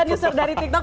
dan yusuf dari tiktok